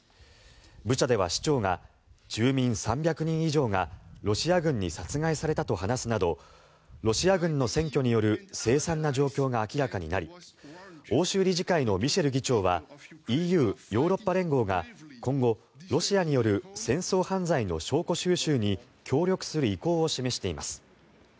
ブチャでは市長が住民３００人以上がロシア軍に殺害されたと話すなどロシア軍の占拠によるせい惨な状況が明らかになり欧州理事会のミシェル議長はＥＵ・ヨーロッパ連合が今後、ロシアによる戦争犯罪の証拠収集に協力する意向を示しています。